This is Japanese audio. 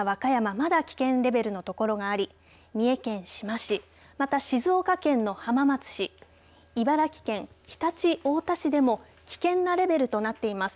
まだ危険レベルの所があり三重県志摩市また静岡県の浜松市茨城県常陸太田市でも危険なレベルとなっています。